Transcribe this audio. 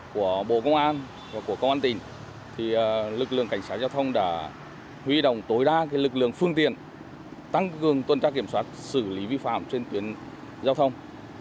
phương tiện tăng cường tuần tra kiểm soát xử lý vi phạm trên tuyến giao thông